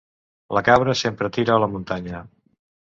La cabra sempre tira a la muntanya.